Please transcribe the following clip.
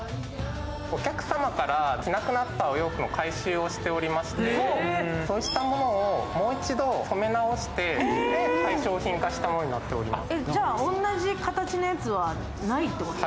お客様から着なくなったお洋服の回収をしておりましてそうしたものをもう一度染め直して商品化したものになっています。